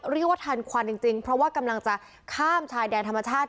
เรียกว่าทันควันจริงเพราะว่ากำลังจะข้ามชายแดนธรรมชาติ